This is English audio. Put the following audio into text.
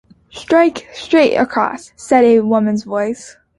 “Strike straight across,” said a woman’s voice.